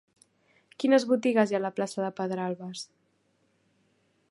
Quines botigues hi ha a la plaça de Pedralbes?